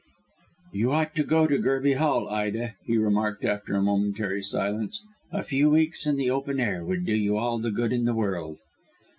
"You ought to go to Gerby Hall, Ida," he remarked after a momentary silence; "a few weeks in the open air would do you all the good in the world."